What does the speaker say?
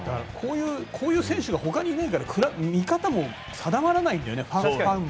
こういう選手がほかにいないから見方も定まらないんだよね